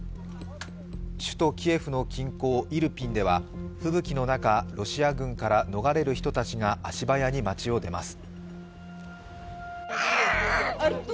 首都キエフの近郊、イルピンでは吹雪の中、ロシア軍から逃れる人たちが足早に町を出ます。